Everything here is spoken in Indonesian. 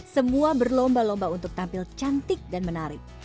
semua berlomba lomba untuk tampil cantik dan menarik